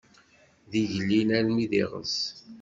D igellil armi d iɣes.